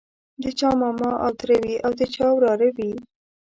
د چا ماما او تره وي او د چا وراره وي.